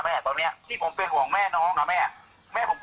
แม่ยังคงมั่นใจและก็มีความหวังในการทำงานของเจ้าหน้าที่ตำรวจค่ะ